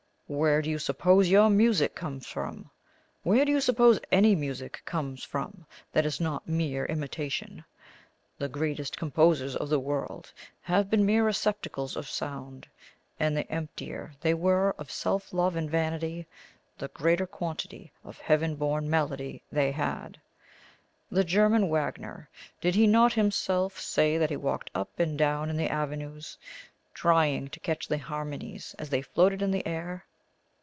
"Where do you suppose your music comes from? Where do you suppose any music comes from that is not mere imitation? The greatest composers of the world have been mere receptacles of sound; and the emptier they were of self love and vanity, the greater quantity of heaven born melody they held. The German Wagner did he not himself say that he walked up and down in the avenues, 'trying to catch the harmonies as they floated in the air'?